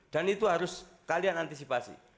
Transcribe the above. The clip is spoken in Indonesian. dan itu harus kalian antisipasi